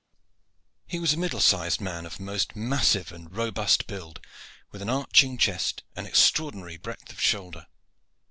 He was a middle sized man, of most massive and robust build, with an arching chest and extraordinary breadth of shoulder.